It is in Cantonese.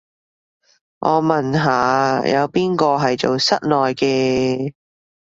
我問下，有邊個係做室內嘅